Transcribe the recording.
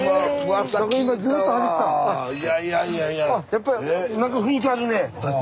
やっぱりなんか雰囲気あるねえ。